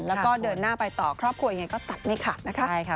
แล้วก็เดินหน้าไปต่อครอบครัวยังไงก็ตัดไม่ขาดนะคะ